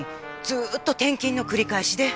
ずーっと転勤の繰り返しで。